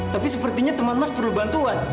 tapi sepertinya teman mas perlu bantuan